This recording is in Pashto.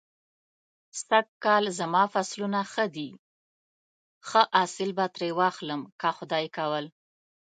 سږ کال زما فصلونه ښه دی. ښه حاصل به ترې واخلم که خدای کول.